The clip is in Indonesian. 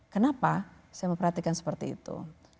kenapa saya memperhatikan seperti itu